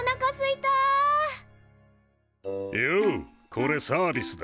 これサービスだ。